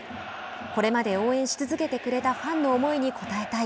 これまで応援し続けてくれたファンの思いに応えたい。